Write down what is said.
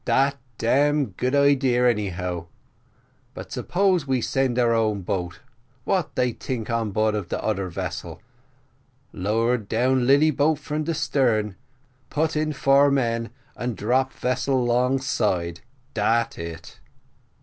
Dat damn good idea, anyhow; but suppose we send our own boat, what they tink on board of de oder vessel? Lower down lilly boat from stern, put in four men, and drop vessel 'longside dat it."